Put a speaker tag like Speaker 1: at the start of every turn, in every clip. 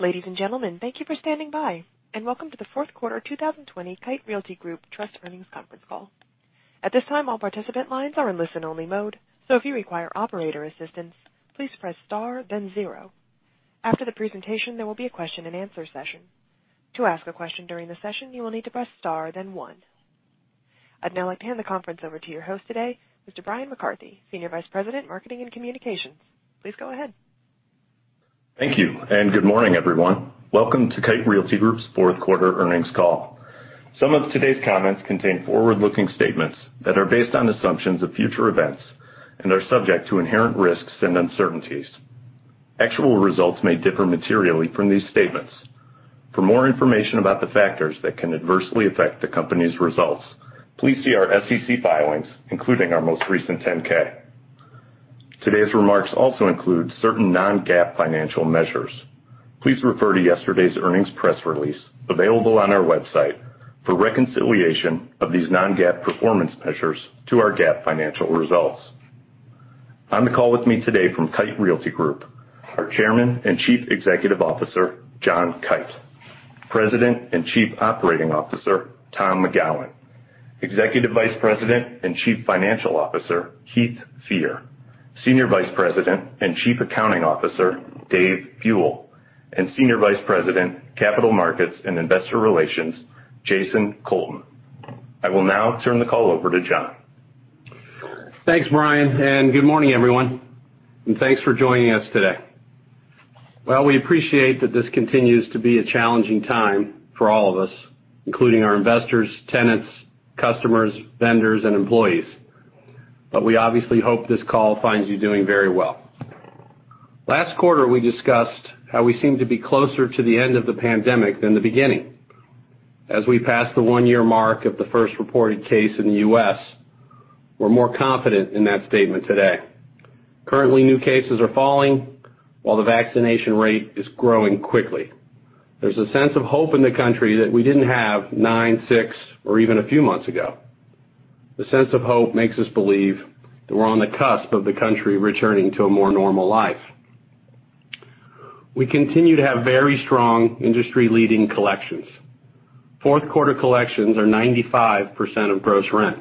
Speaker 1: Ladies and gentlemen, thank you for standing by and welcome to the fourth quarter 2020 Kite Realty Group Trust Earnings Conference Call. At this time, all participant lines are in listen-only mode. So if you require operator assistance, please press star then zero. After the presentation, there will be a question and answer session. I'd now like to hand the conference over to your host today, Mr. Bryan McCarthy, Senior Vice President, Marketing and Communications. Please go ahead.
Speaker 2: Thank you, and good morning, everyone. Welcome to Kite Realty Group's fourth quarter earnings call. Some of today's comments contain forward-looking statements that are based on assumptions of future events and are subject to inherent risks and uncertainties. Actual results may differ materially from these statements. For more information about the factors that can adversely affect the company's results, please see our SEC filings, including our most recent 10-K. Today's remarks also include certain non-GAAP financial measures. Please refer to yesterday's earnings press release, available on our website, for reconciliation of these non-GAAP performance measures to our GAAP financial results. On the call with me today from Kite Realty Group, our Chairman and Chief Executive Officer, John Kite; President and Chief Operating Officer, Tom McGowan; Executive Vice President and Chief Financial Officer, Heath Fear; Senior Vice President and Chief Accounting Officer, Dave Buell; and Senior Vice President, Capital Markets and Investor Relations, Jason Colton. I will now turn the call over to John.
Speaker 3: Thanks, Bryan, and good morning, everyone, and thanks for joining us today. Well, we appreciate that this continues to be a challenging time for all of us, including our investors, tenants, customers, vendors, and employees. We obviously hope this call finds you doing very well. Last quarter, we discussed how we seem to be closer to the end of the pandemic than the beginning. As we pass the one-year mark of the first reported case in the U.S., we're more confident in that statement today. Currently, new cases are falling while the vaccination rate is growing quickly. There's a sense of hope in the country that we didn't have nine, six, or even a few months ago. The sense of hope makes us believe that we're on the cusp of the country returning to a more normal life. We continue to have very strong industry-leading collections. Fourth quarter collections are 95% of gross rent.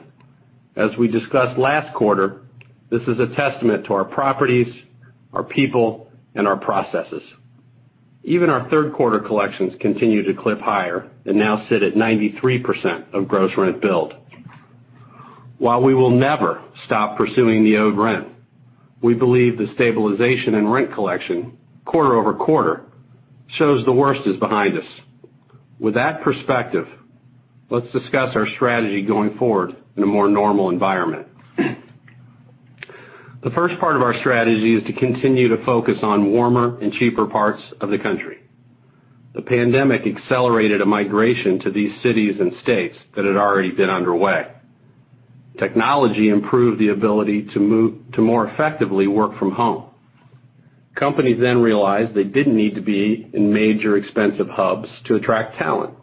Speaker 3: As we discussed last quarter, this is a testament to our properties, our people, and our processes. Even our third quarter collections continue to clip higher and now sit at 93% of gross rent billed. While we will never stop pursuing the owed rent, we believe the stabilization in rent collection quarter-over-quarter shows the worst is behind us. With that perspective, let's discuss our strategy going forward in a more normal environment. The first part of our strategy is to continue to focus on warmer and cheaper parts of the country. The pandemic accelerated a migration to these cities and states that had already been underway. Technology improved the ability to more effectively work from home. Companies then realized they didn't need to be in major expensive hubs to attract talent.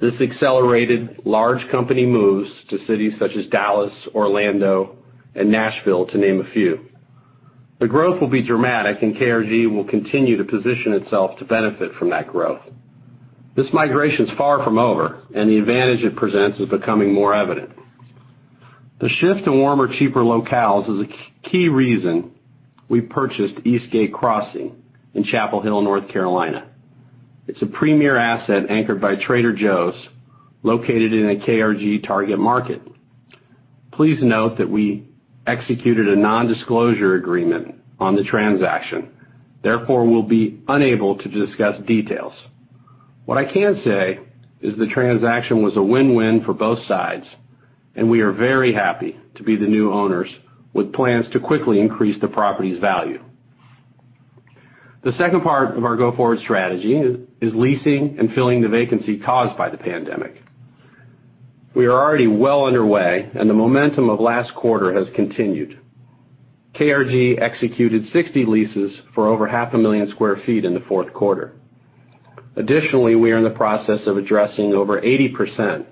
Speaker 3: This accelerated large company moves to cities such as Dallas, Orlando, and Nashville, to name a few. The growth will be dramatic, and KRG will continue to position itself to benefit from that growth. This migration's far from over, and the advantage it presents is becoming more evident. The shift to warmer, cheaper locales is a key reason we purchased Eastgate Crossing in Chapel Hill, North Carolina. It's a premier asset anchored by Trader Joe's, located in a KRG target market. Please note that we executed a nondisclosure agreement on the transaction, therefore, we'll be unable to discuss details. What I can say is the transaction was a win-win for both sides, and we are very happy to be the new owners with plans to quickly increase the property's value. The second part of our go-forward strategy is leasing and filling the vacancy caused by the pandemic. We are already well underway. The momentum of last quarter has continued. KRG executed 60 leases for over half a million square feet in the fourth quarter. Additionally, we are in the process of addressing over 80%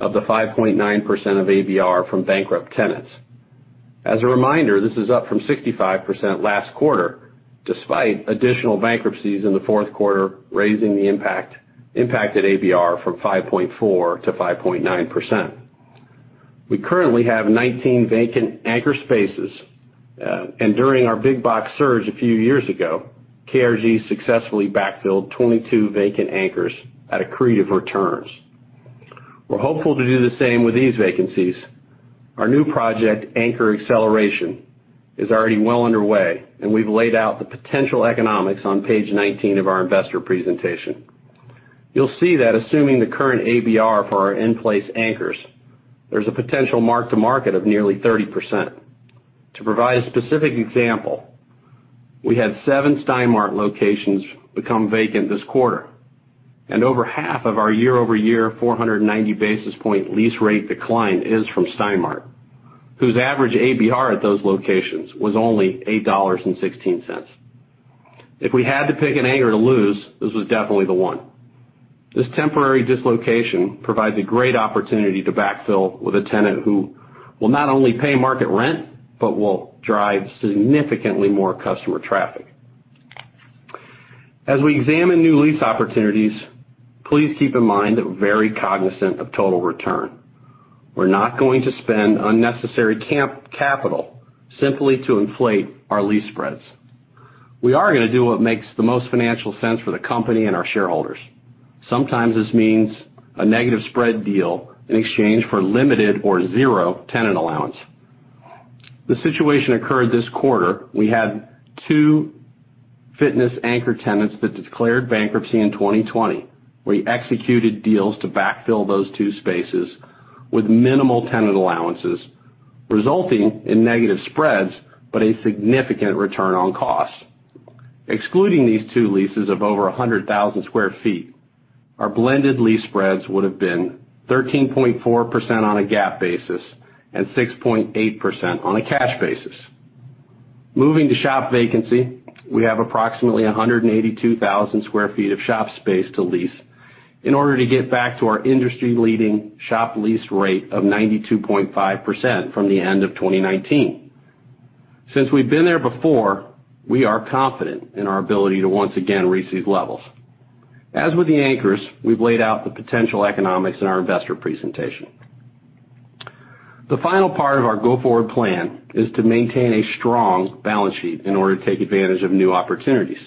Speaker 3: of the 5.9% of ABR from bankrupt tenants. As a reminder, this is up from 65% last quarter, despite additional bankruptcies in the fourth quarter, raising the impacted ABR from 5.4%-5.9%. We currently have 19 vacant anchor spaces, and during our big box surge a few years ago, KRG successfully backfilled 22 vacant anchors at accretive returns. We're hopeful to do the same with these vacancies. Our new project, Anchor Acceleration, is already well underway, and we've laid out the potential economics on page 19 of our investor presentation. You'll see that assuming the current ABR for our in-place anchors, there's a potential mark to market of nearly 30%. To provide a specific example, we had seven Stein Mart locations become vacant this quarter, and over half of our year-over-year 490 basis point lease rate decline is from Stein Mart, whose average ABR at those locations was only $8.16. If we had to pick an anchor to lose, this was definitely the one. This temporary dislocation provides a great opportunity to backfill with a tenant who will not only pay market rent, but will drive significantly more customer traffic. As we examine new lease opportunities, please keep in mind that we're very cognizant of total return. We're not going to spend unnecessary capital simply to inflate our lease spreads. We are going to do what makes the most financial sense for the company and our shareholders. Sometimes this means a negative spread deal in exchange for limited or zero tenant allowance. The situation occurred this quarter, we had two fitness anchor tenants that declared bankruptcy in 2020. We executed deals to backfill those two spaces with minimal tenant allowances, resulting in negative spreads, a significant return on cost. Excluding these two leases of over 100,000 sq ft, our blended lease spreads would have been 13.4% on a GAAP basis and 6.8% on a cash basis. Moving to shop vacancy, we have approximately 182,000 sq ft of shop space to lease in order to get back to our industry-leading shop lease rate of 92.5% from the end of 2019. Since we've been there before, we are confident in our ability to once again reach these levels. As with the anchors, we've laid out the potential economics in our investor presentation. The final part of our go-forward plan is to maintain a strong balance sheet in order to take advantage of new opportunities.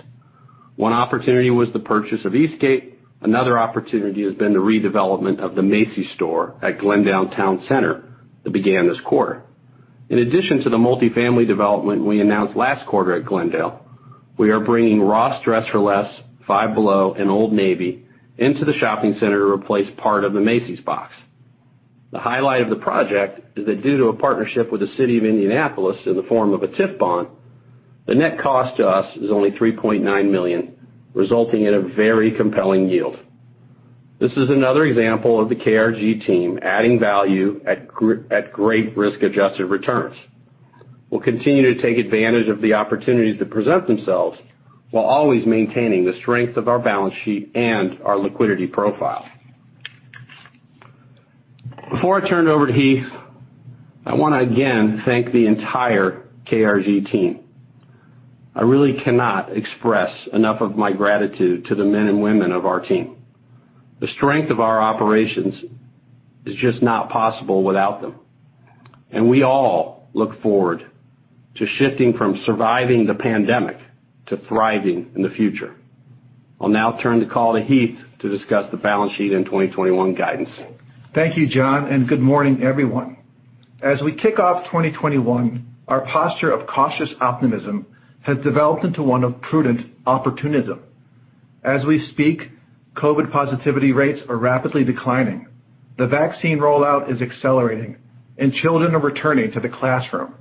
Speaker 3: One opportunity was the purchase of Eastgate. Another opportunity has been the redevelopment of the Macy's store at Glendale Town Center, that began this quarter. In addition to the multifamily development we announced last quarter at Glendale, we are bringing Ross Dress for Less, Five Below, and Old Navy into the shopping center to replace part of the Macy's box. The highlight of the project is that due to a partnership with the city of Indianapolis in the form of a TIF bond, the net cost to us is only $3.9 million, resulting in a very compelling yield. This is another example of the KRG team adding value at great risk-adjusted returns. We'll continue to take advantage of the opportunities that present themselves while always maintaining the strength of our balance sheet and our liquidity profile. Before I turn it over to Heath, I want to again thank the entire KRG team. I really cannot express enough of my gratitude to the men and women of our team. The strength of our operations is just not possible without them. We all look forward to shifting from surviving the pandemic to thriving in the future. I'll now turn the call to Heath to discuss the balance sheet and 2021 guidance.
Speaker 4: Thank you, John, and good morning, everyone. As we kick off 2021, our posture of cautious optimism has developed into one of prudent opportunism. As we speak, COVID positivity rates are rapidly declining. The vaccine rollout is accelerating, and children are returning to the classroom.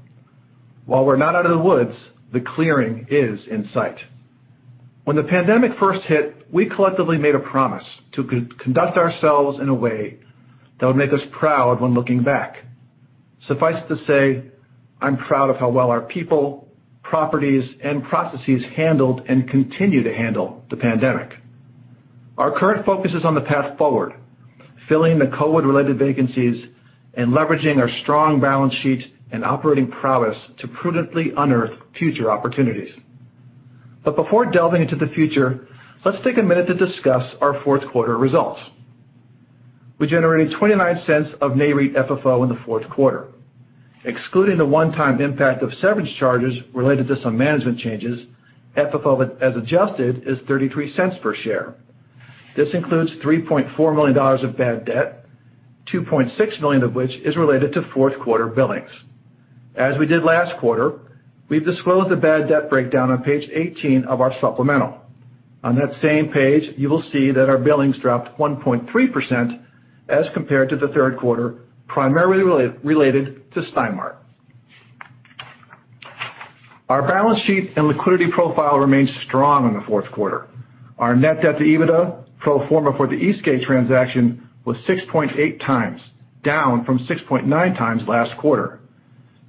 Speaker 4: While we're not out of the woods, the clearing is in sight. When the pandemic first hit, we collectively made a promise to conduct ourselves in a way that would make us proud when looking back. Suffice to say, I'm proud of how well our people, properties, and processes handled and continue to handle the pandemic. Our current focus is on the path forward, filling the COVID-related vacancies and leveraging our strong balance sheet and operating prowess to prudently unearth future opportunities. Before delving into the future, let's take a minute to discuss our fourth quarter results. We generated $0.29 of NAREIT FFO in the fourth quarter. Excluding the one-time impact of severance charges related to some management changes, FFO as adjusted is $0.33 per share. This includes $3.4 million of bad debt, $2.6 million of which is related to fourth quarter billings. As we did last quarter, we've disclosed the bad debt breakdown on page 18 of our supplemental. On that same page, you will see that our billings dropped 1.3% as compared to the third quarter, primarily related to Stein Mart. Our balance sheet and liquidity profile remained strong in the fourth quarter. Our net debt to EBITDA, pro forma for the Eastgate transaction, was 6.8x, down from 6.9x last quarter.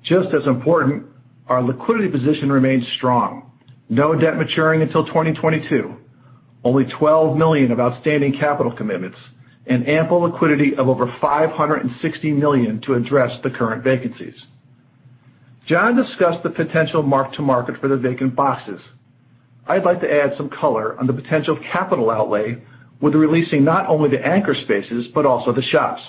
Speaker 4: Just as important, our liquidity position remains strong. No debt maturing until 2022. Only $12 million of outstanding capital commitments and ample liquidity of over $560 million to address the current vacancies. John discussed the potential mark-to-market for the vacant boxes. I'd like to add some color on the potential capital outlay with re-leasing not only the anchor spaces, but also the shops.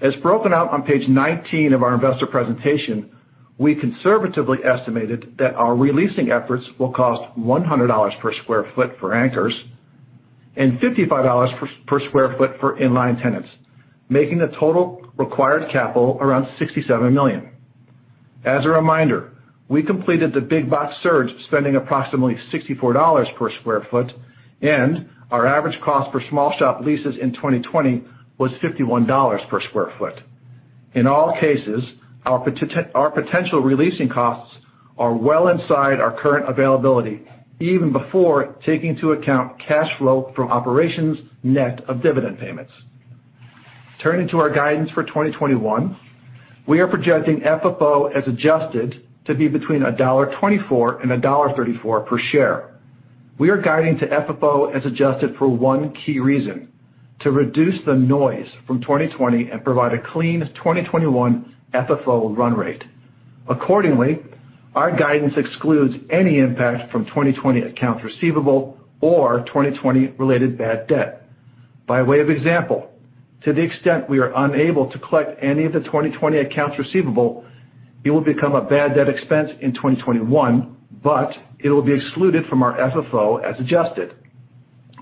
Speaker 4: As broken out on page 19 of our investor presentation, we conservatively estimated that our re-leasing efforts will cost $100 per sq ft for anchors and $55 per sq ft for in-line tenants, making the total required capital around $67 million. As a reminder, we completed the big box surge spending approximately $64 per sq ft, and our average cost per small shop leases in 2020 was $51 per sq ft. In all cases, our potential re-leasing costs are well inside our current availability, even before taking into account cash flow from operations net of dividend payments. Turning to our guidance for 2021, we are projecting FFO as adjusted to be between $1.24 and $1.34 per share. We are guiding to FFO as adjusted for one key reason, to reduce the noise from 2020 and provide a clean 2021 FFO run rate. Accordingly, our guidance excludes any impact from 2020 accounts receivable or 2020 related bad debt. By way of example, to the extent we are unable to collect any of the 2020 accounts receivable, it will become a bad debt expense in 2021, but it will be excluded from our FFO as adjusted.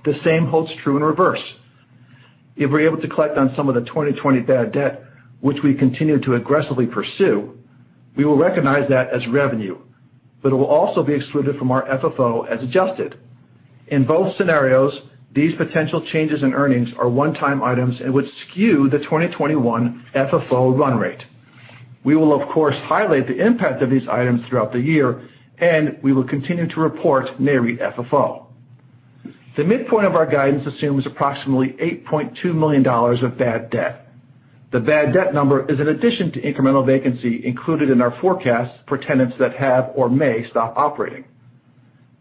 Speaker 4: The same holds true in reverse. If we're able to collect on some of the 2020 bad debt, which we continue to aggressively pursue, we will recognize that as revenue, but it will also be excluded from our FFO as adjusted. In both scenarios, these potential changes in earnings are one-time items and would skew the 2021 FFO run rate. We will, of course, highlight the impact of these items throughout the year, and we will continue to report NAREIT FFO. The midpoint of our guidance assumes approximately $8.2 million of bad debt. The bad debt number is an addition to incremental vacancy included in our forecast for tenants that have or may stop operating.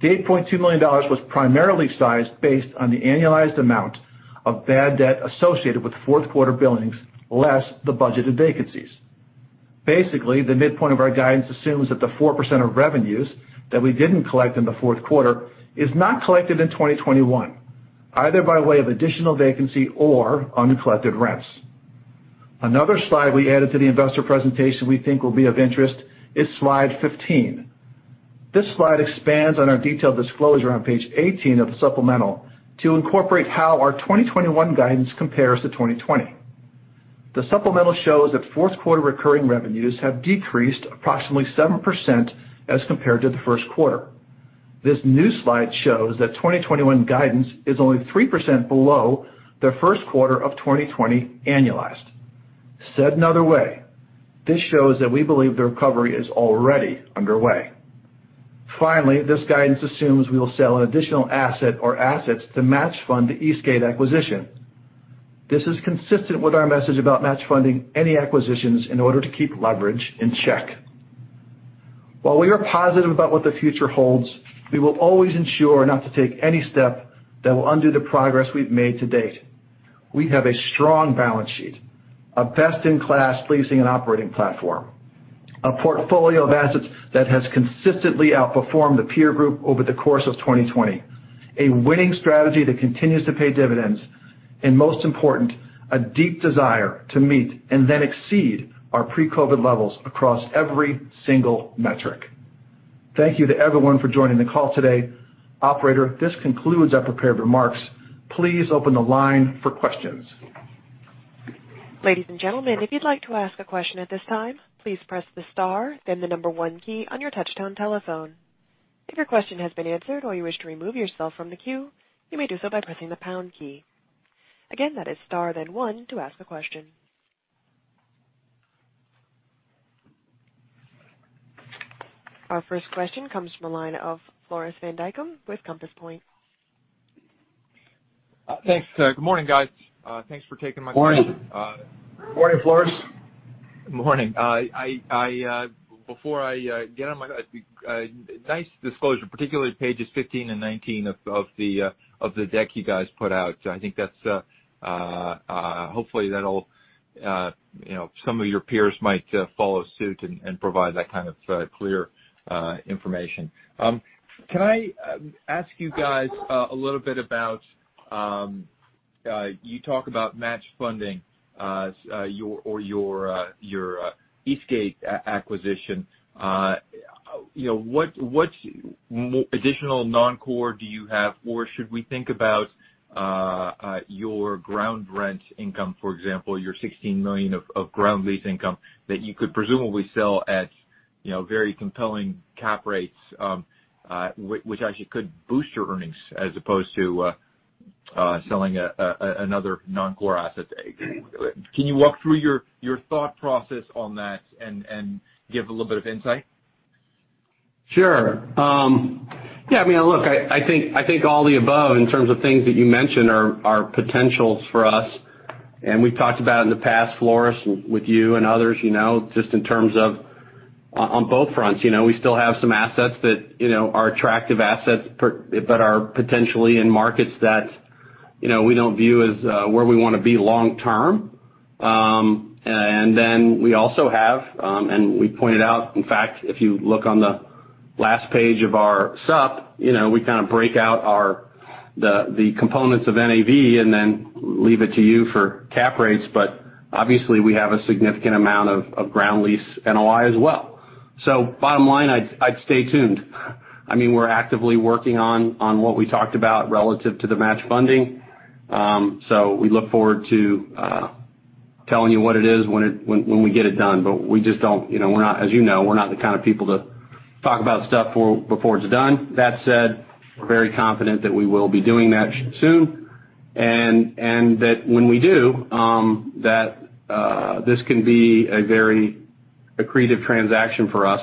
Speaker 4: The $8.2 million was primarily sized based on the annualized amount of bad debt associated with fourth quarter billings, less the budgeted vacancies. Basically, the midpoint of our guidance assumes that the 4% of revenues that we didn't collect in the fourth quarter is not collected in 2021, either by way of additional vacancy or uncollected rents. Another slide we added to the investor presentation we think will be of interest is slide 15. This slide expands on our detailed disclosure on page 18 of the supplemental to incorporate how our 2021 guidance compares to 2020. The supplemental shows that fourth quarter recurring revenues have decreased approximately 7% as compared to the first quarter. This new slide shows that 2021 guidance is only 3% below the first quarter of 2020 annualized. Said another way, this shows that we believe the recovery is already underway. Finally, this guidance assumes we will sell an additional asset or assets to match fund the Eastgate acquisition. This is consistent with our message about match funding any acquisitions in order to keep leverage in check. While we are positive about what the future holds, we will always ensure not to take any step that will undo the progress we've made to date. We have a strong balance sheet, a best-in-class leasing and operating platform, a portfolio of assets that has consistently outperformed the peer group over the course of 2020, a winning strategy that continues to pay dividends, and most important, a deep desire to meet and then exceed our pre-COVID levels across every single metric. Thank you to everyone for joining the call today. Operator, this concludes our prepared remarks. Please open the line for questions.
Speaker 1: Ladies and gentlemen, if you'd like to ask a question at this time, please press the star then the number one key on your touch-tone telephone. If your question has been answered or you wish to remove yourself from the queue, you may do so by pressing the pound key. Again, that is star then one to ask a question. Our first question comes from the line of Floris van Dijkum with Compass Point.
Speaker 5: Thanks. Good morning, guys. Thanks for taking my call.
Speaker 3: Morning.
Speaker 4: Morning, Floris.
Speaker 5: Morning. Before I get on, nice disclosure, particularly pages 15 and 19 of the deck you guys put out. Hopefully some of your peers might follow suit and provide that kind of clear information. Can I ask you guys a little bit about You talk about match funding or your Eastgate acquisition. What additional non-core do you have, or should we think about your ground rent income, for example, your $16 million of ground lease income that you could presumably sell at very compelling cap rates, which actually could boost your earnings as opposed to selling another non-core asset? Can you walk through your thought process on that and give a little bit of insight?
Speaker 3: Sure. Yeah, look, I think all the above in terms of things that you mentioned are potentials for us, and we've talked about in the past, Floris, with you and others, just in terms of on both fronts. We still have some assets that are attractive assets but are potentially in markets that we don't view as where we want to be long term. We also have, and we pointed out, in fact, if you look on the last page of our sup, we kind of break out the components of NAV and then leave it to you for cap rates. Obviously, we have a significant amount of ground lease NOI as well. Bottom line, I'd stay tuned. We're actively working on what we talked about relative to the match funding. We look forward to telling you what it is when we get it done. As you know, we're not the kind of people to talk about stuff before it's done. That said, we're very confident that we will be doing that soon, and that when we do, that this can be a very accretive transaction for us.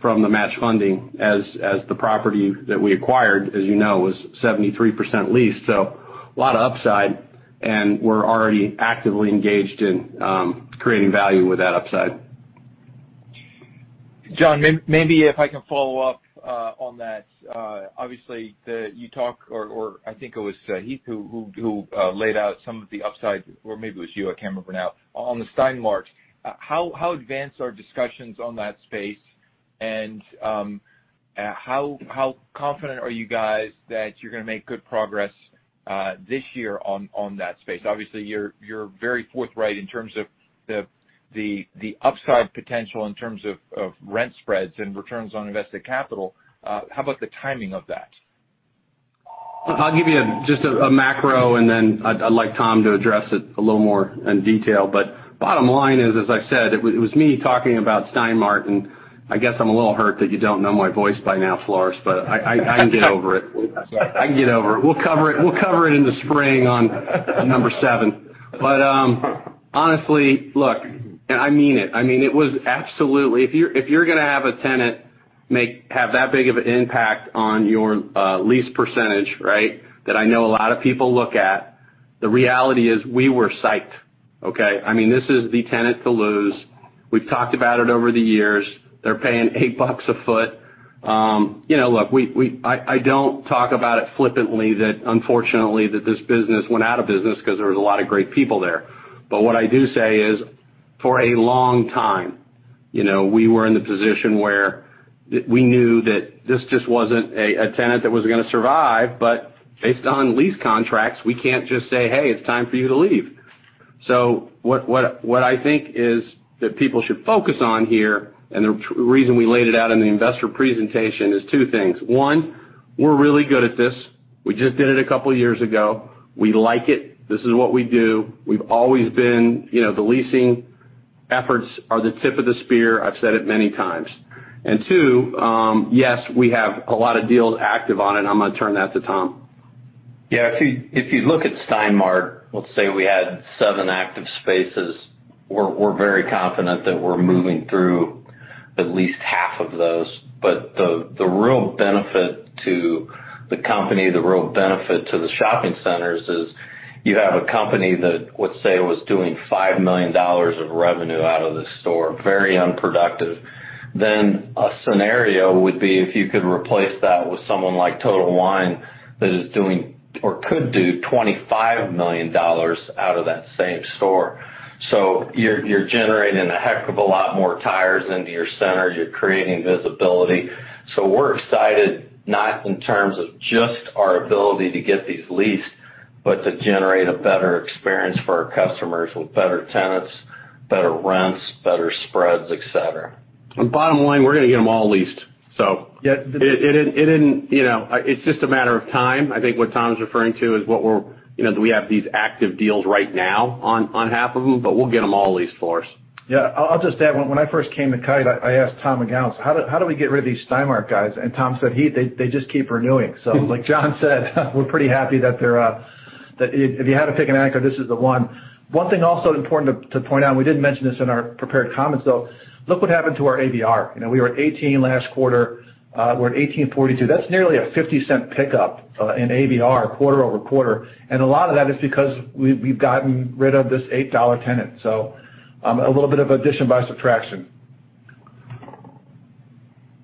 Speaker 3: From the match funding as the property that we acquired, as you know, was 73% leased. A lot of upside, and we're already actively engaged in creating value with that upside.
Speaker 5: John, maybe if I can follow up on that. Obviously, you talked, or I think it was Heath who laid out some of the upside, or maybe it was you, I can't remember now, on the Stein Mart. How advanced are discussions on that space, and how confident are you guys that you're going to make good progress this year on that space? Obviously, you're very forthright in terms of the upside potential in terms of rent spreads and returns on invested capital. How about the timing of that?
Speaker 3: I'll give you just a macro and then I'd like Tom to address it a little more in detail. Bottom line is, as I've said, it was me talking about Stein Mart, and I guess I'm a little hurt that you don't know my voice by now, Floris, but I can get over it. I can get over it. We'll cover it in the spring on number seven. Honestly, look, and I mean it was absolutely if you're going to have a tenant have that big of an impact on your lease percentage, that I know a lot of people look at, the reality is we were psyched. Okay. This is the tenant to lose. We've talked about it over the years. They're paying $8 a foot. Look, I don't talk about it flippantly that unfortunately, that this business went out of business because there was a lot of great people there. What I do say is, for a long time, we were in the position where we knew that this just wasn't a tenant that was going to survive, but based on lease contracts, we can't just say, "Hey, it's time for you to leave." What I think is that people should focus on here, and the reason we laid it out in the investor presentation is two things. One, we're really good at this. We just did it a couple of years ago. We like it. This is what we do. We've always been the leasing efforts are the tip of the spear. I've said it many times. Two, yes, we have a lot of deals active on it. I'm going to turn that to Tom.
Speaker 6: Yeah. If you look at Stein Mart, let's say we had seven active spaces, we're very confident that we're moving through at least half of those. The real benefit to the company, the real benefit to the shopping centers is you have a company that, let's say, was doing $5 million of revenue out of the store, very unproductive. A scenario would be if you could replace that with someone like Total Wine that is doing, or could do $25 million out of that same store. You're generating a heck of a lot more traffic into your center. You're creating visibility. We're excited, not in terms of just our ability to get these leased, but to generate a better experience for our customers with better tenants, better rents, better spreads, et cetera.
Speaker 3: Bottom line, we're going to get them all leased. It's just a matter of time. I think what Tom's referring to is that we have these active deals right now on half of them, but we'll get them all leased, Floris.
Speaker 4: Yeah. I'll just add one. When I first came to Kite, I asked Tom McGowan, "How do we get rid of these Stein Mart guys?" Tom said, "Heath, they just keep renewing." Like John said, we're pretty happy that if you had to pick an anchor, this is the one. One thing also important to point out, we did mention this in our prepared comments, though. Look what happened to our ABR. We were at 18 last quarter. We're at 18.42. That's nearly a $0.50 pickup in ABR quarter-over-quarter. A lot of that is because we've gotten rid of this $8 tenant. A little bit of addition by subtraction.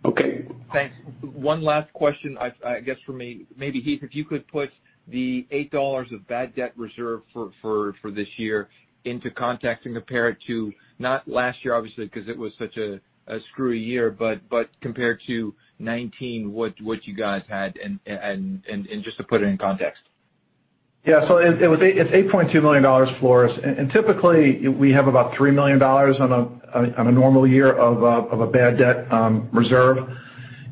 Speaker 5: Okay. Thanks. One last question, I guess from me. Maybe, Heath, if you could put the $8 of bad debt reserve for this year into context and compare it to, not last year, obviously, because it was such a screwy year, but compared to 2019, what you guys had, and just to put it in context?
Speaker 4: Yeah. It's $8.2 million, Floris. Typically, we have about $3 million on a normal year of a bad debt reserve.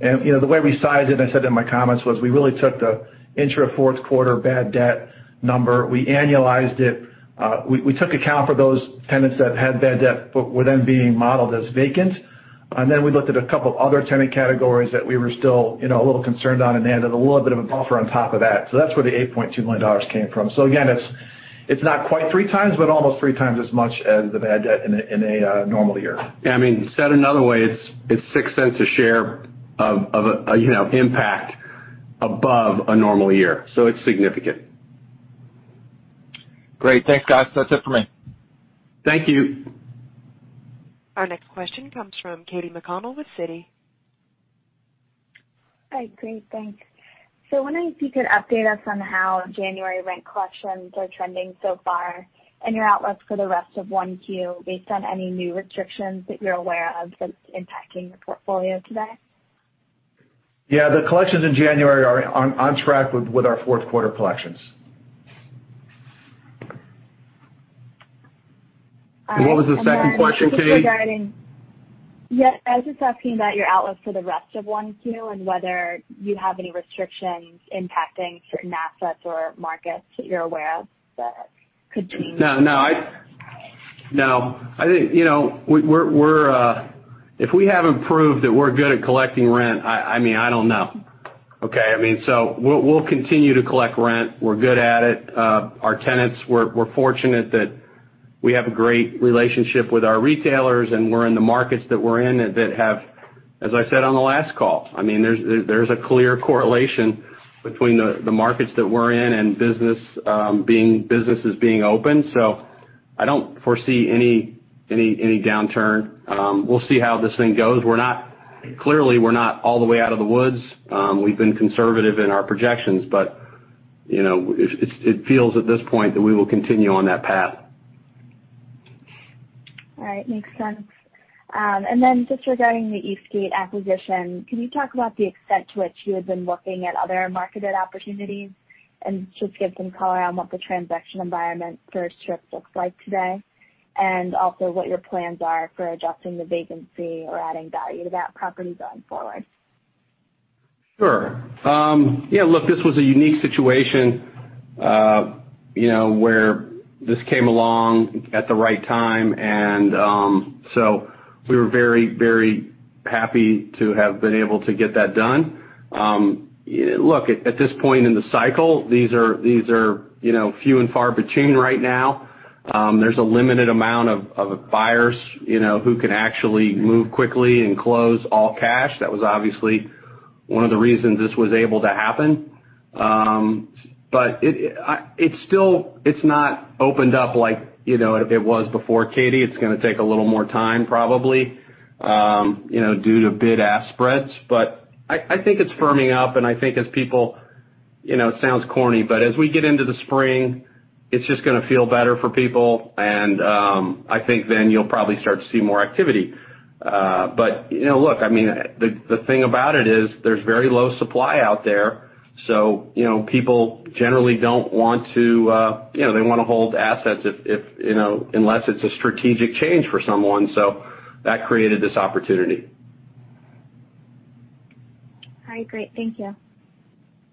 Speaker 4: The way we sized it, and I said it in my comments, was we really took the intra-fourth quarter bad debt number. We annualized it. We took account for those tenants that had bad debt but were then being modeled as vacant. Then we looked at a couple of other tenant categories that we were still a little concerned on and added a little bit of a buffer on top of that. That's where the $8.2 million came from. Again, it's not quite three times, but almost three times as much as the bad debt in a normal year.
Speaker 3: Yeah, said another way, it's $0.06 a share of impact above a normal year. It's significant.
Speaker 5: Great. Thanks, guys. That's it for me.
Speaker 3: Thank you.
Speaker 1: Our next question comes from Katy McConnell with Citi.
Speaker 7: Hi, great. Thanks. Wondering if you could update us on how January rent collections are trending so far and your outlook for the rest of 1Q based on any new restrictions that you're aware of that's impacting your portfolio today?
Speaker 3: Yeah, the collections in January are on track with our fourth quarter collections.
Speaker 7: All right.
Speaker 3: What was the second question, Katy?
Speaker 7: I was just asking about your outlook for the rest of 1Q and whether you have any restrictions impacting certain assets or markets that you're aware of that could change.
Speaker 3: No. If we haven't proved that we're good at collecting rent, I don't know. Okay? We'll continue to collect rent. We're good at it. Our tenants, we're fortunate that we have a great relationship with our retailers, and we're in the markets that we're in that have, as I said on the last call, there's a clear correlation between the markets that we're in and businesses being open. I don't foresee any downturn. We'll see how this thing goes. Clearly, we're not all the way out of the woods. We've been conservative in our projections, but it feels at this point that we will continue on that path.
Speaker 7: All right. Makes sense. Regarding the Eastgate acquisition, can you talk about the extent to which you have been looking at other marketed opportunities? Just give some color on what the transaction environment for a strip looks like today, and also what your plans are for adjusting the vacancy or adding value to that property going forward.
Speaker 3: Sure. Look, this was a unique situation, where this came along at the right time, and so we were very happy to have been able to get that done. Look, at this point in the cycle, these are few and far between right now. There's a limited amount of buyers, who can actually move quickly and close all cash. That was obviously one of the reasons this was able to happen. It's not opened up like, it was before, Katy. It's going to take a little more time probably, due to bid-ask spreads. I think it's firming up, and I think it sounds corny, but as we get into the spring, it's just going to feel better for people, and I think then you'll probably start to see more activity. Look, the thing about it is there's very low supply out there, so people generally, they want to hold assets unless it's a strategic change for someone. That created this opportunity.
Speaker 7: All right. Great. Thank you.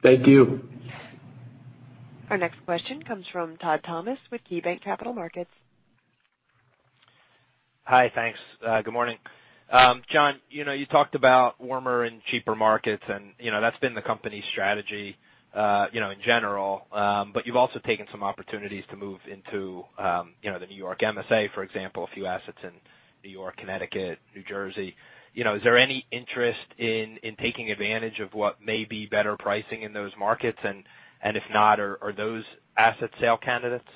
Speaker 3: Thank you.
Speaker 1: Our next question comes from Todd Thomas with KeyBanc Capital Markets.
Speaker 8: Hi, thanks. Good morning. John, you talked about warmer and cheaper markets, and that's been the company's strategy in general. You've also taken some opportunities to move into the New York MSA, for example, a few assets in New York, Connecticut, New Jersey. Is there any interest in taking advantage of what may be better pricing in those markets? If not, are those asset sale candidates?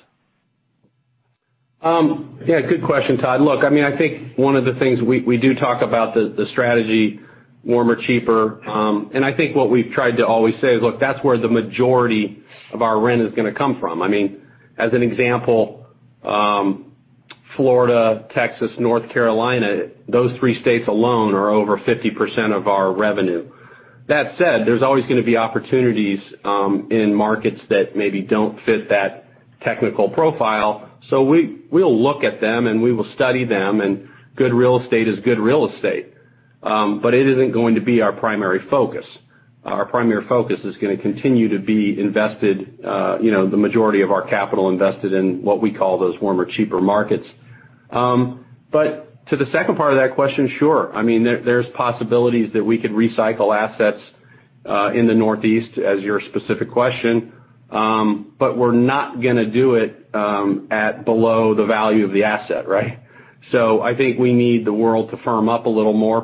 Speaker 3: Yeah, good question, Todd. Look, I think one of the things we do talk about the strategy, warmer, cheaper. I think what we've tried to always say is, look, that's where the majority of our rent is going to come from. As an example, Florida, Texas, North Carolina, those three states alone are over 50% of our revenue. That said, there's always going to be opportunities in markets that maybe don't fit that technical profile. We'll look at them, and we will study them, and good real estate is good real estate. It isn't going to be our primary focus. Our primary focus is going to continue to be invested, the majority of our capital invested in what we call those warmer, cheaper markets. To the second part of that question, sure. There's possibilities that we could recycle assets in the Northeast as your specific question. We're not going to do it at below the value of the asset, right?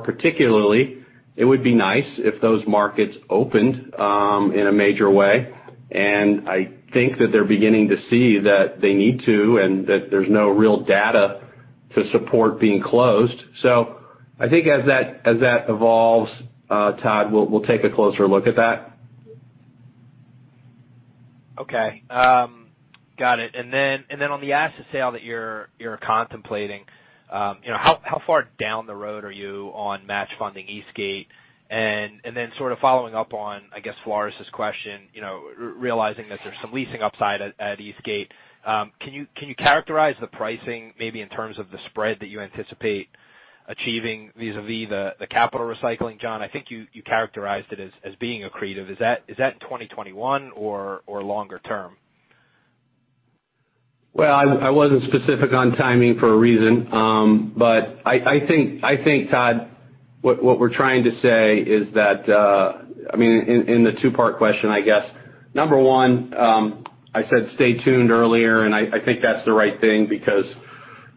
Speaker 3: Particularly, it would be nice if those markets opened in a major way. I think that they're beginning to see that they need to, and that there's no real data to support being closed. I think as that evolves, Todd, we'll take a closer look at that.
Speaker 8: Okay. Got it. On the asset sale that you're contemplating, how far down the road are you on match funding Eastgate? Sort of following up on, I guess Floris' question, realizing that there's some leasing upside at Eastgate, can you characterize the pricing maybe in terms of the spread that you anticipate achieving vis-a-vis the capital recycling, John? I think you characterized it as being accretive. Is that 2021 or longer term?
Speaker 3: Well, I wasn't specific on timing for a reason. I think, Todd, what we're trying to say is that, in the two-part question, I guess, number one, I said stay tuned earlier, and I think that's the right thing because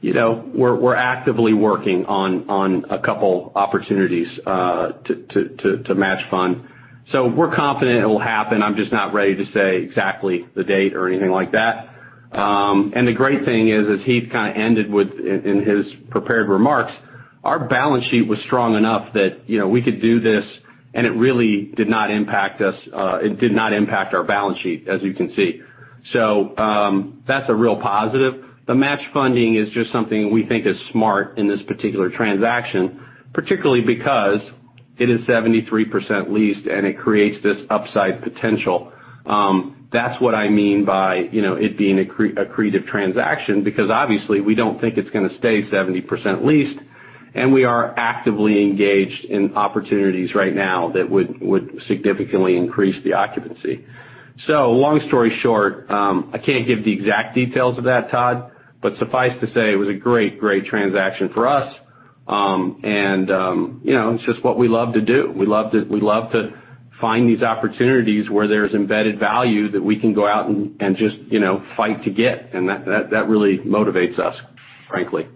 Speaker 3: we're actively working on a couple opportunities to match fund. We're confident it will happen. I'm just not ready to say exactly the date or anything like that. The great thing is, as Heath kind of ended with in his prepared remarks, our balance sheet was strong enough that we could do this, and it really did not impact our balance sheet, as you can see. That's a real positive. The match funding is just something we think is smart in this particular transaction, particularly because it is 73% leased, and it creates this upside potential. That's what I mean by it being accretive transaction, because obviously, we don't think it's going to stay 70% leased, and we are actively engaged in opportunities right now that would significantly increase the occupancy. Long story short, I can't give the exact details of that, Todd, but suffice to say, it was a great transaction for us. It's just what we love to do. We love to find these opportunities where there's embedded value that we can go out and just fight to get. That really motivates us, frankly.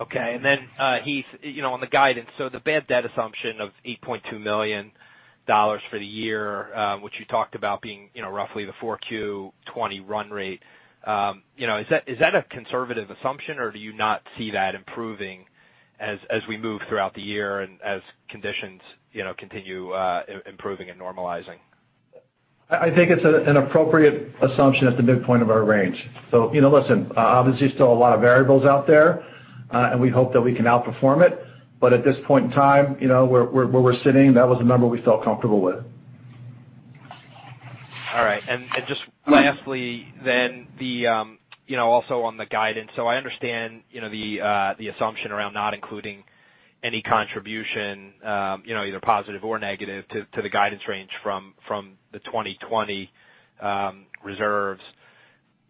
Speaker 8: Okay. Heath, on the guidance, so the bad debt assumption of $8.2 million for the year, which you talked about being roughly the 4Q 2020 run rate. Is that a conservative assumption, or do you not see that improving as we move throughout the year and as conditions continue improving and normalizing?
Speaker 4: I think it's an appropriate assumption at the midpoint of our range. Listen, obviously still a lot of variables out there, and we hope that we can outperform it. At this point in time where we're sitting, that was a number we felt comfortable with.
Speaker 8: All right. Just lastly then, also on the guidance. I understand the assumption around not including any contribution, either positive or negative to the guidance range from the 2020 reserves.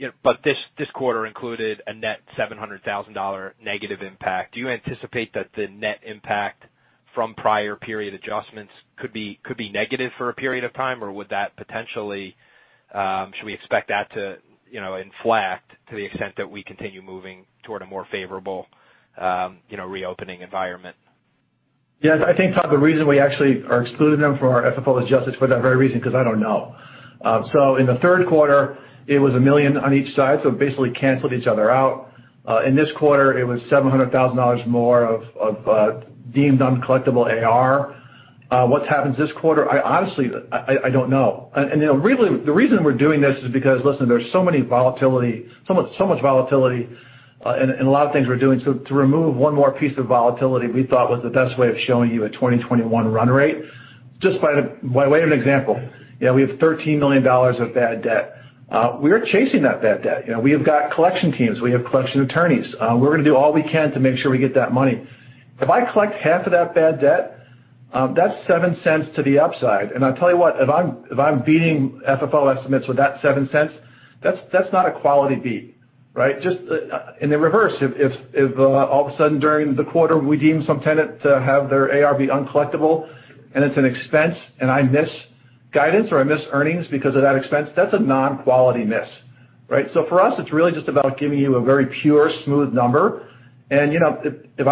Speaker 8: This quarter included a net $700,000 negative impact. Do you anticipate that the net impact from prior period adjustments could be negative for a period of time, or would that potentially should we expect that to inflect to the extent that we continue moving toward a more favorable reopening environment?
Speaker 4: Yes, I think, Todd, the reason we actually are excluding them from our FFO is just for that very reason, because I don't know. In the third quarter, it was $1 million on each side, it basically canceled each other out. In this quarter, it was $700,000 more of deemed uncollectible AR. What happens this quarter? I honestly don't know. Really, the reason we're doing this is because, listen, there's so much volatility in a lot of things we're doing. To remove one more piece of volatility, we thought was the best way of showing you a 2021 run rate. Just by way of an example, we have $13 million of bad debt. We are chasing that bad debt. We have got collection teams. We have collection attorneys. We're going to do all we can to make sure we get that money. If I collect half of that bad debt, that's $0.07 to the upside. I'll tell you what, if I'm beating FFO estimates with that $0.07, that's not a quality beat, right? Just in the reverse, if all of a sudden during the quarter, we deem some tenant to have their AR be uncollectible and it's an expense and I miss guidance or I miss earnings because of that expense, that's a non-quality miss, right? For us, it's really just about giving you a very pure, smooth number. If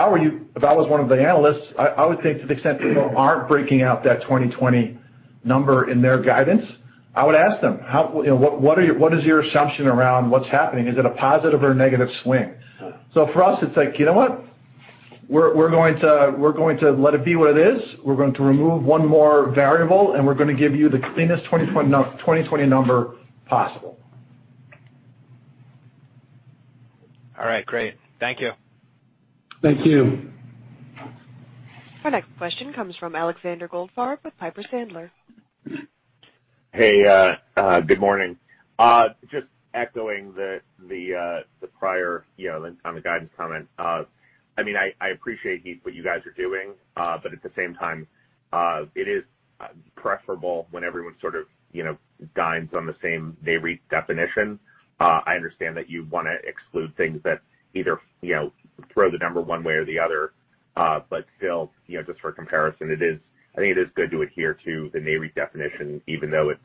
Speaker 4: I was one of the analysts, I would think to the extent people aren't breaking out that 2020 number in their guidance, I would ask them, "What is your assumption around what's happening?" Is it a positive or a negative swing? For us, it's like, you know what? We're going to let it be what it is. We're going to remove one more variable. We're going to give you the cleanest 2020 number possible.
Speaker 8: All right, great. Thank you.
Speaker 3: Thank you.
Speaker 1: Our next question comes from Alexander Goldfarb with Piper Sandler.
Speaker 9: Hey, good morning. Just echoing the prior link on the guidance comment. I appreciate, Heath, what you guys are doing. At the same time, it is preferable when everyone sort of dines on the same NAREIT definition. I understand that you want to exclude things that either throw the number one way or the other. Still, just for comparison, I think it is good to adhere to the NAREIT definition, even though it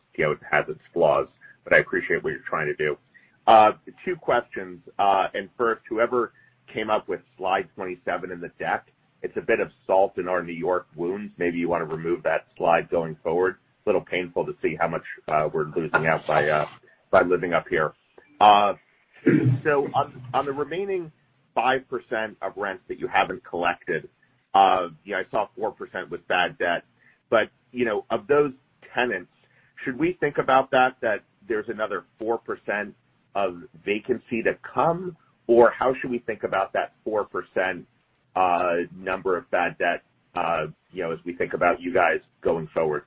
Speaker 9: has its flaws. I appreciate what you're trying to do. Two questions. First, whoever came up with slide 27 in the deck, it's a bit of salt in our New York wounds. Maybe you want to remove that slide going forward. It's a little painful to see how much we're losing out by living up here. On the remaining 5% of rents that you haven't collected, I saw 4% was bad debt. Of those tenants, should we think about that there's another 4% of vacancy to come, or how should we think about that 4% number of bad debt as we think about you guys going forward?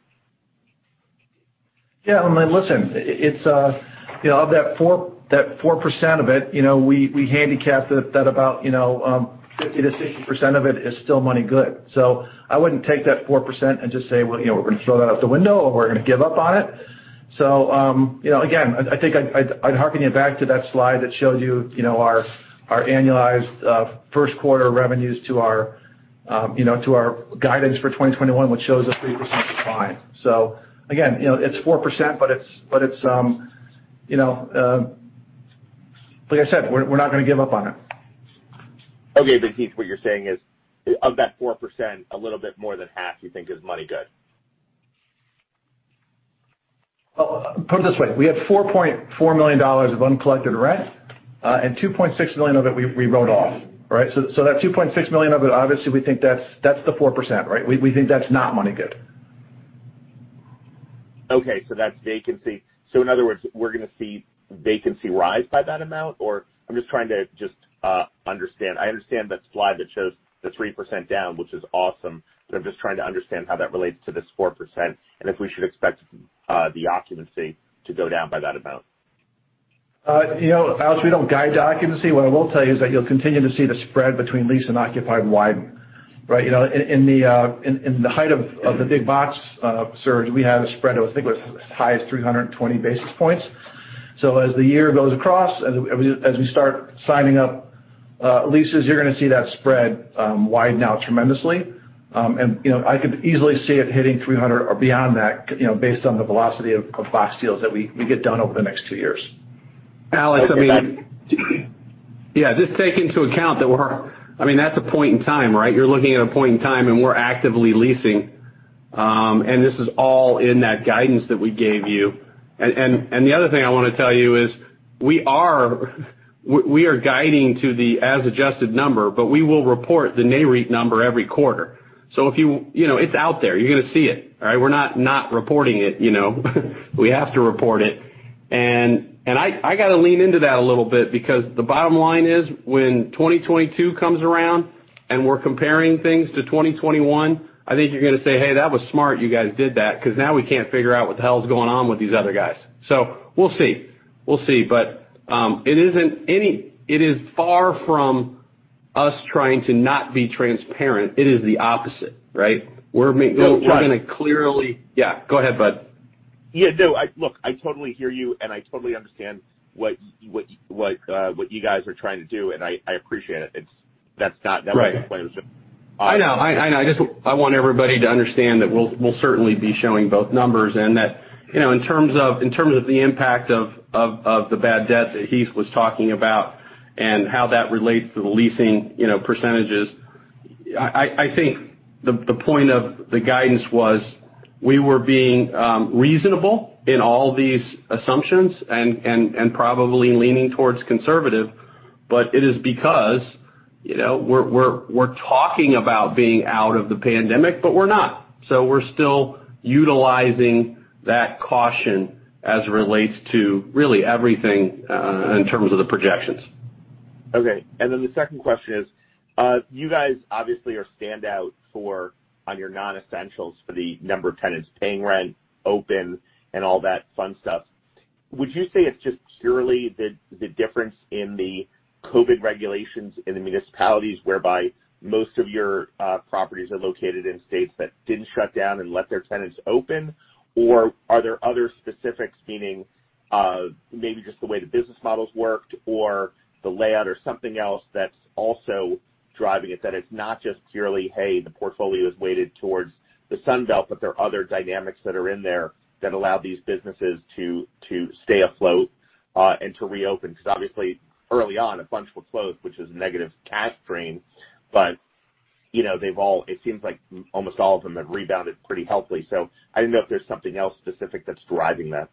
Speaker 4: Yeah, listen, of that 4% of it, we handicapped it that about 50%-60% of it is still money good. I wouldn't take that 4% and just say, "Well, we're going to throw that out the window, or we're going to give up on it." Again, I think I'd harken you back to that slide that showed you our annualized first quarter revenues to our guidance for 2021, which shows a 3% decline. Again, it's 4%, but like I said, we're not going to give up on it.
Speaker 9: Okay. Heath, what you're saying is of that 4%, a little bit more than half you think is money good?
Speaker 4: Put it this way. We have $4.4 million of uncollected rent, and $2.6 million of it we wrote off, right? That $2.6 million of it, obviously, we think that's the 4%, right? We think that's not money good.
Speaker 9: Okay, that's vacancy. In other words, we're going to see vacancy rise by that amount, or I'm just trying to just understand. I understand that slide that shows the 3% down, which is awesome, I'm just trying to understand how that relates to this 4% and if we should expect the occupancy to go down by that amount.
Speaker 4: Alex, we don't guide to occupancy. What I will tell you is that you'll continue to see the spread between leased and occupied widen. Right. In the height of the big box surge, we had a spread of, I think it was as high as 320 basis points. As the year goes across, as we start signing up leases, you're going to see that spread widen out tremendously. I could easily see it hitting 300 or beyond that, based on the velocity of box deals that we get done over the next two years.
Speaker 3: Alex,
Speaker 9: Okay, thanks.
Speaker 3: Yeah, just take into account that we're. That's a point in time, right? You're looking at a point in time, and we're actively leasing. This is all in that guidance that we gave you. The other thing I want to tell you is, we are guiding to the as-adjusted number, but we will report the NAREIT number every quarter. It's out there. You're going to see it. All right? We're not reporting it. We have to report it. I got to lean into that a little bit, because the bottom line is, when 2022 comes around and we're comparing things to 2021, I think you're going to say, "Hey, that was smart you guys did that, because now we can't figure out what the hell is going on with these other guys." We'll see. It is far from us trying to not be transparent. It is the opposite, right? We're going to clearly-
Speaker 9: No.
Speaker 3: Yeah, go ahead, bud.
Speaker 9: Yeah, no. Look, I totally hear you, and I totally understand what you guys are trying to do, and I appreciate it.
Speaker 3: Right.
Speaker 9: the point.
Speaker 3: I know. I want everybody to understand that we'll certainly be showing both numbers, and that in terms of the impact of the bad debt that Heath was talking about and how that relates to the leasing percentages, I think the point of the guidance was we were being reasonable in all these assumptions and probably leaning towards conservative. It is because we're talking about being out of the pandemic, but we're not. We're still utilizing that caution as it relates to really everything, in terms of the projections.
Speaker 9: Okay. The second question is, you guys obviously are standout on your non-essentials for the number of tenants paying rent, open, and all that fun stuff. Would you say it's just purely the difference in the COVID regulations in the municipalities, whereby most of your properties are located in states that didn't shut down and let their tenants open? Or are there other specifics, meaning maybe just the way the business models worked or the layout or something else that's also driving it, that it's not just purely, hey, the portfolio is weighted towards the Sun Belt, but there are other dynamics that are in there that allow these businesses to stay afloat, and to reopen? Obviously, early on, a bunch were closed, which is negative cash drain. It seems like almost all of them have rebounded pretty healthily. I didn't know if there's something else specific that's driving that.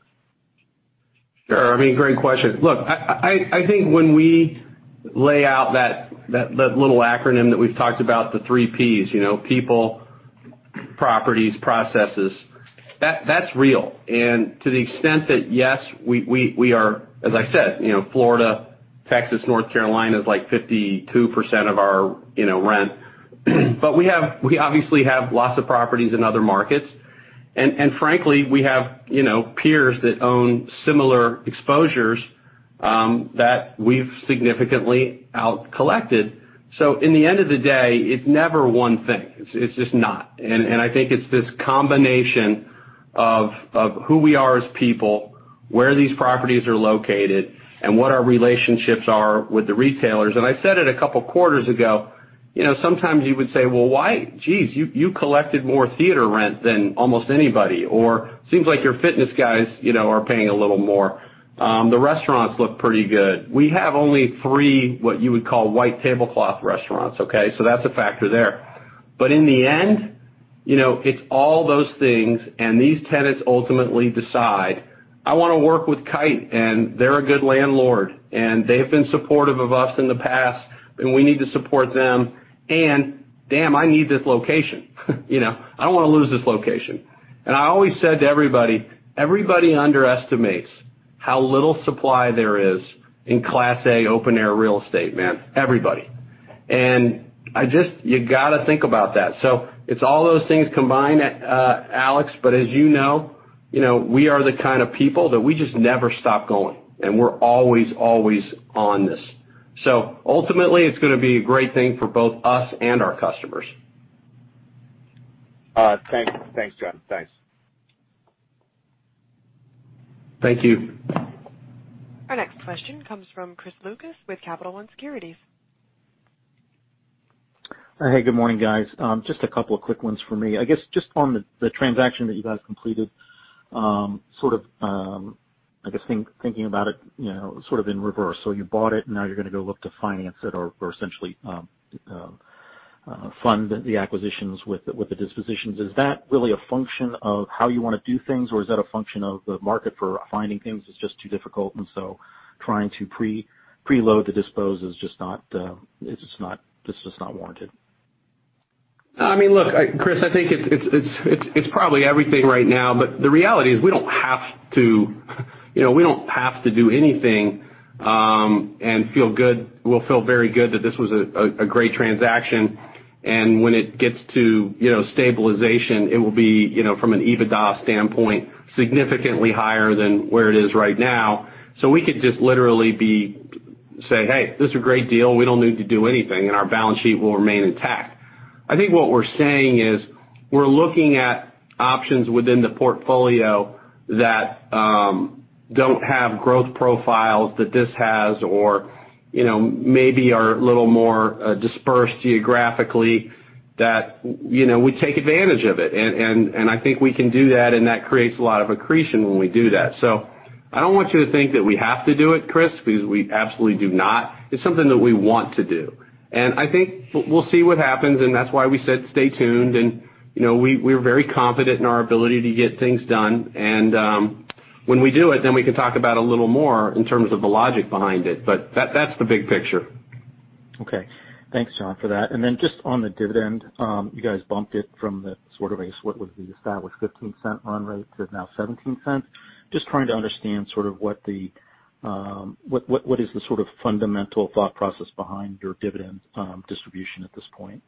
Speaker 3: Sure. Great question. Look, I think when we lay out that little acronym that we've talked about, the 3 Ps, people, properties, processes, that's real. To the extent that, yes, we are, as I said, Florida, Texas, North Carolina is, like, 52% of our rent. We obviously have lots of properties in other markets. Frankly, we have peers that own similar exposures that we've significantly out collected. In the end of the day, it's never one thing. It's just not. I think it's this combination of who we are as people, where these properties are located, and what our relationships are with the retailers. I said it a couple of quarters ago. Sometimes you would say, "Well, why, geez, you collected more theater rent than almost anybody?" "Seems like your fitness guys are paying a little more. The restaurants look pretty good." We have only three, what you would call white tablecloth restaurants, okay. That's a factor there. In the end, it's all those things, and these tenants ultimately decide, "I want to work with Kite, and they're a good landlord, and they have been supportive of us in the past, and we need to support them. Damn, I need this location. I don't want to lose this location." I always said to everybody underestimates how little supply there is in Class A open air real estate, man. Everybody. You got to think about that. It's all those things combined, Alex. As you know, we are the kind of people that we just never stop going, and we're always on this. Ultimately, it's going to be a great thing for both us and our customers.
Speaker 9: Thanks. Thanks, John. Thanks.
Speaker 3: Thank you.
Speaker 1: Our next question comes from Chris Lucas with Capital One Securities.
Speaker 10: Hey, good morning, guys. Just a couple of quick ones for me. I guess, just on the transaction that you guys completed, I guess thinking about it sort of in reverse. You bought it, and now you're going to go look to finance it or essentially fund the acquisitions with the dispositions. Is that really a function of how you want to do things, or is that a function of the market for finding things is just too difficult, and so trying to preload the dispose is just not warranted?
Speaker 3: Look, Chris, I think it's probably everything right now. The reality is we don't have to do anything and we'll feel very good that this was a great transaction. When it gets to stabilization, it will be, from an EBITDA standpoint, significantly higher than where it is right now. We could just literally be, say, "Hey, this is a great deal. We don't need to do anything, and our balance sheet will remain intact." I think what we're saying is, we're looking at options within the portfolio that don't have growth profiles that this has or maybe are a little more dispersed geographically that we take advantage of it. I think we can do that, and that creates a lot of accretion when we do that. I don't want you to think that we have to do it, Chris, because we absolutely do not. It's something that we want to do. I think we'll see what happens, and that's why we said stay tuned. We're very confident in our ability to get things done, and when we do it, then we can talk about a little more in terms of the logic behind it. That's the big picture.
Speaker 10: Okay. Thanks, John, for that. Just on the dividend, you guys bumped it from the sort of what was the established $0.15 run rate to now $0.17. Just trying to understand sort of what is the sort of fundamental thought process behind your dividend distribution at this point.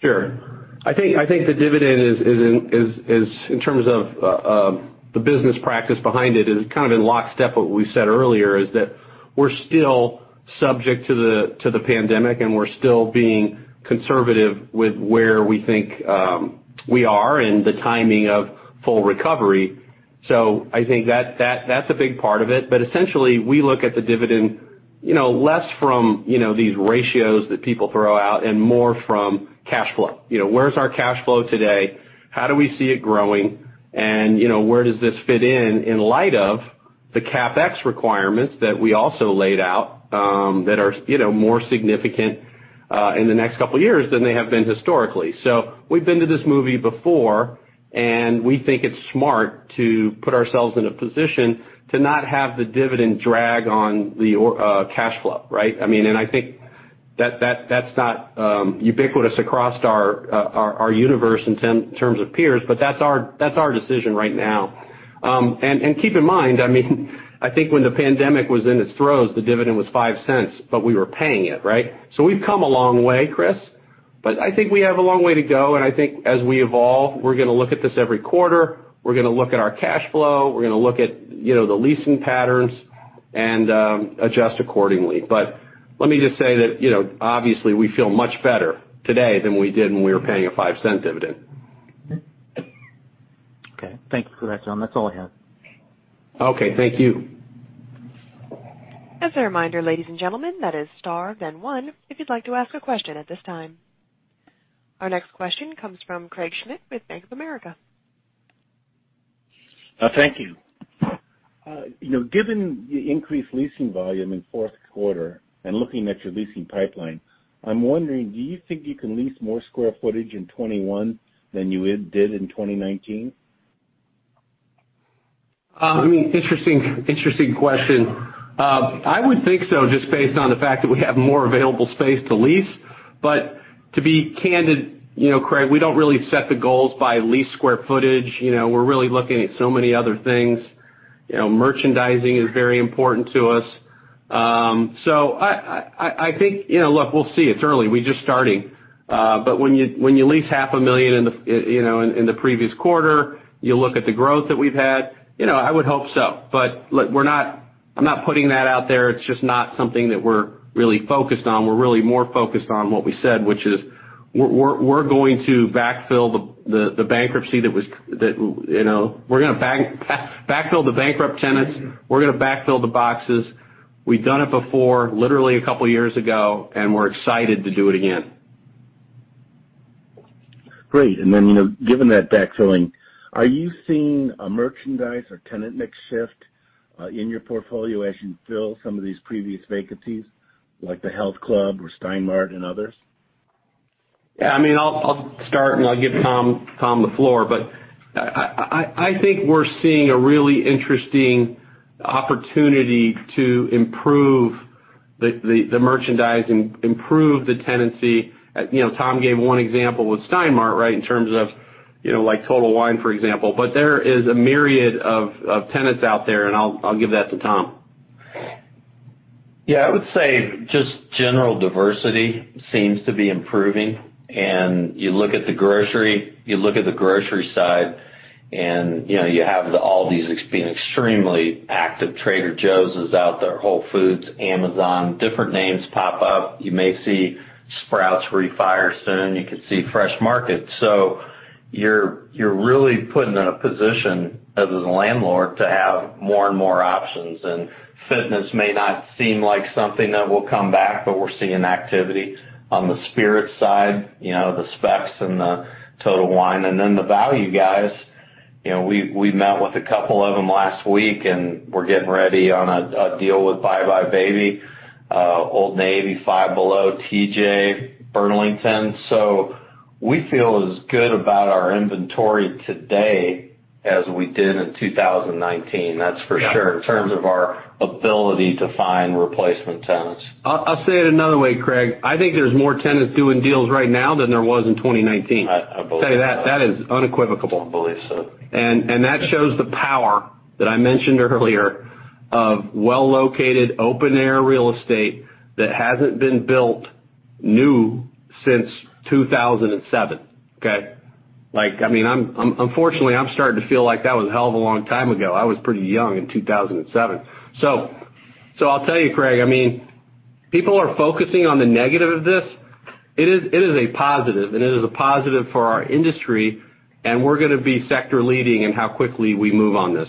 Speaker 3: Sure. I think the dividend is, in terms of the business practice behind it, is kind of in lockstep what we said earlier, is that we're still subject to the pandemic, and we're still being conservative with where we think we are and the timing of full recovery. I think that's a big part of it. Essentially, we look at the dividend less from these ratios that people throw out and more from cash flow. Where's our cash flow today? How do we see it growing? Where does this fit in light of the CapEx requirements that we also laid out, that are more significant in the next couple of years than they have been historically. We've been to this movie before, and we think it's smart to put ourselves in a position to not have the dividend drag on the cash flow, right? I think that's not ubiquitous across our universe in terms of peers, but that's our decision right now. Keep in mind, I think when the pandemic was in its throes, the dividend was $0.05, but we were paying it, right? We've come a long way, Chris, but I think we have a long way to go, and I think as we evolve, we're going to look at this every quarter. We're going to look at our cash flow, we're going to look at the leasing patterns and adjust accordingly. Let me just say that, obviously, we feel much better today than we did when we were paying a $0.05 dividend.
Speaker 10: Okay. Thank you for that, John. That's all I have.
Speaker 3: Okay. Thank you.
Speaker 1: As a reminder, ladies and gentlemen, that is star, then one, if you'd like to ask a question at this time. Our next question comes from Craig Schmidt with Bank of America.
Speaker 11: Thank you. Given the increased leasing volume in fourth quarter and looking at your leasing pipeline, I'm wondering, do you think you can lease more square footage in 2021 than you did in 2019?
Speaker 3: Interesting question. I would think so, just based on the fact that we have more available space to lease. To be candid, Craig, we don't really set the goals by lease square footage. We're really looking at so many other things. Merchandising is very important to us. I think, look, we'll see. It's early. We're just starting. When you lease half a million in the previous quarter, you look at the growth that we've had, I would hope so. Look, I'm not putting that out there. It's just not something that we're really focused on. We're really more focused on what we said, which is we're going to backfill the bankrupt tenants. We're going to backfill the boxes. We've done it before, literally a couple of years ago, and we're excited to do it again.
Speaker 11: Great. Given that backfilling, are you seeing a merchandise or tenant mix shift in your portfolio as you fill some of these previous vacancies, like the health club or Stein Mart and others?
Speaker 3: Yeah. I'll start, and I'll give Tom the floor. I think we're seeing a really interesting opportunity to improve the merchandise and improve the tenancy. Tom gave one example with Stein Mart, in terms of Total Wine, for example. There is a myriad of tenants out there, and I'll give that to Tom.
Speaker 6: Yeah, I would say just general diversity seems to be improving. You look at the grocery side, and you have all these extremely active. Trader Joe's is out there, Whole Foods, Amazon, different names pop up. You may see Sprouts refire soon. You could see Fresh Market. You're really put in a position as a landlord to have more and more options, and fitness may not seem like something that will come back, but we're seeing activity on the spirit side, the Spec's and the Total Wine. Then the value guys, we met with a couple of them last week, and we're getting ready on a deal with buybuy BABY, Old Navy, Five Below, TJ, Burlington. We feel as good about our inventory today as we did in 2019. That's for sure, in terms of our ability to find replacement tenants.
Speaker 3: I'll say it another way, Craig. I think there's more tenants doing deals right now than there was in 2019.
Speaker 11: I believe so.
Speaker 3: I'll tell you that. That is unequivocal.
Speaker 11: I believe so.
Speaker 3: That shows the power that I mentioned earlier of well-located, open-air real estate that hasn't been built new since 2007. Okay. Unfortunately, I'm starting to feel like that was a hell of a long time ago. I was pretty young in 2007. I'll tell you, Craig, people are focusing on the negative of this. It is a positive, and it is a positive for our industry, and we're going to be sector leading in how quickly we move on this.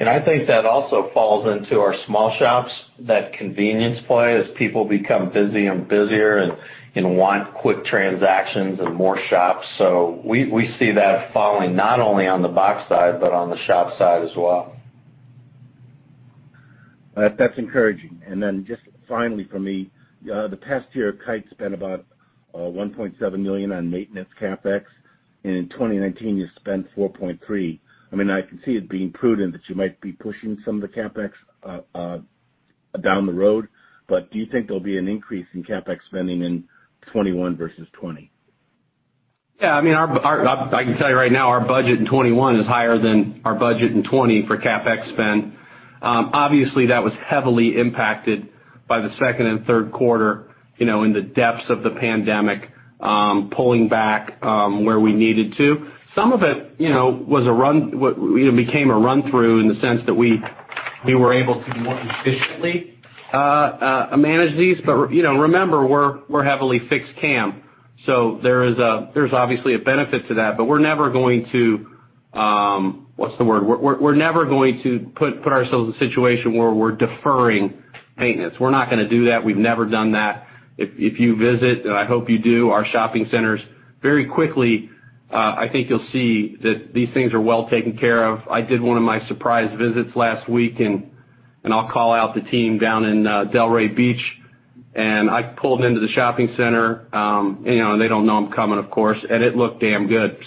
Speaker 6: I think that also falls into our small shops, that convenience play as people become busier and busier and want quick transactions and more shops. We see that falling not only on the box side, but on the shop side as well.
Speaker 11: That's encouraging. Just finally from me, the past year, Kite spent about $1.7 million on maintenance CapEx, in 2019 you spent $4.3 million. I can see it being prudent that you might be pushing some of the CapEx down the road, do you think there'll be an increase in CapEx spending in 2021 versus 2020?
Speaker 3: Yeah. I can tell you right now, our budget in 2021 is higher than our budget in 2020 for CapEx spend. That was heavily impacted by the second and third quarter, in the depths of the pandemic, pulling back where we needed to. Some of it became a run through in the sense that we were able to more efficiently manage these. Remember, we're heavily fixed CAM. There's obviously a benefit to that. We're never going to, what's the word? We're never going to put ourselves in a situation where we're deferring maintenance. We're not going to do that. We've never done that. If you visit, and I hope you do, our shopping centers, very quickly, I think you'll see that these things are well taken care of. I did one of my surprise visits last week, and I'll call out the team down in Delray Beach, and I pulled into the shopping center. They don't know I'm coming, of course. It looked damn good.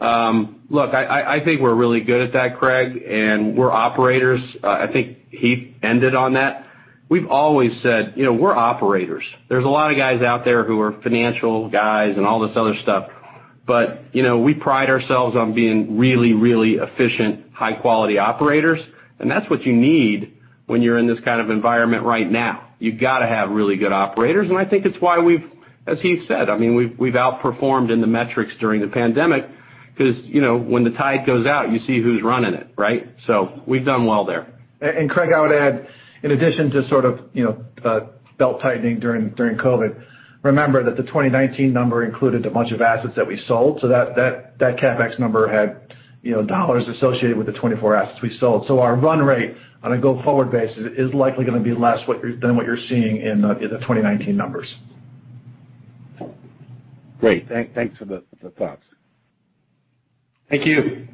Speaker 3: Look, I think we're really good at that, Craig, and we're operators. I think Heath ended on that. We've always said we're operators. There's a lot of guys out there who are financial guys and all this other stuff, but we pride ourselves on being really efficient, high-quality operators, and that's what you need when you're in this kind of environment right now. You've got to have really good operators, and I think it's why we've, as Heath said, we've outperformed in the metrics during the pandemic because when the tide goes out, you see who's running it, right? We've done well there.
Speaker 4: Craig, I would add, in addition to sort of belt-tightening during COVID, remember that the 2019 number included a bunch of assets that we sold. That CapEx number had dollars associated with the 24 assets we sold. Our run rate on a go-forward basis is likely going to be less than what you're seeing in the 2019 numbers.
Speaker 11: Great. Thanks for the thoughts.
Speaker 3: Thank you.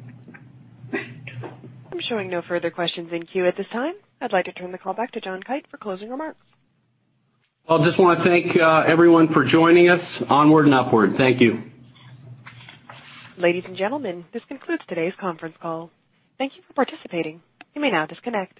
Speaker 1: I'm showing no further questions in queue at this time. I'd like to turn the call back to John Kite for closing remarks.
Speaker 3: Well, just want to thank everyone for joining us. Onward and upward. Thank you.
Speaker 1: Ladies and gentlemen, this concludes today's conference call. Thank you for participating. You may now disconnect.